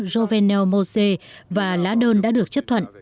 jovenel mosé và lá đơn đã được chấp thuận